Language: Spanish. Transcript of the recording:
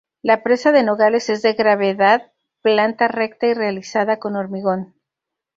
La presa de Nogales es de gravedad, planta recta y realizada con hormigón.